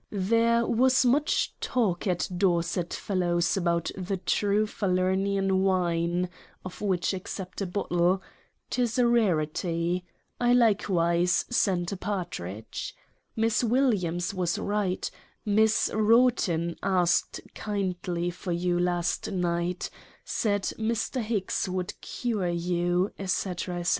There was much talk at Dorset Fellowes's about the true Falernian wine, of which accept a Bottle: 'Tis a rarity ; I likewise send a Partridge. Miss Williams TO W. A. CONWAY. 37 was right, Miss Wroughton asked kindly for you last night, said Mr. Hicks would cure you, &c. &c.